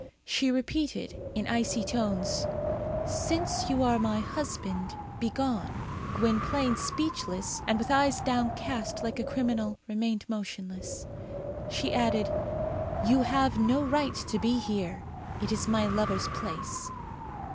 She repeated, in icy tones, "Since you are my husband, begone." Gwynplaine, speechless, and with eyes downcast like a criminal, remained motionless. She added, "You have no right to be here; it is my lover's place."